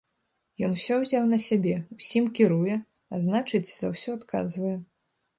Ён усё ўзяў на сябе, усім кіруе, а значыць, за ўсё адказвае.